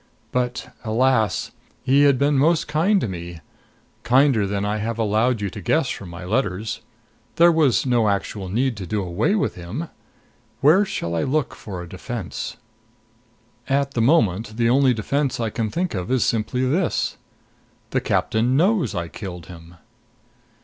But, alas! he had been most kind to me kinder than I have allowed you to guess from my letters. There was no actual need to do away with him. Where shall I look for a defense? At the moment the only defense I can think of is simply this the captain knows I killed him!